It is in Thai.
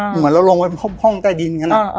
เหมือนเราลงไปพบห้องใต้ดินกัน